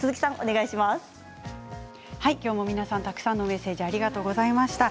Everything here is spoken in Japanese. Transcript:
きょうも、たくさんのメッセージありがとうございました。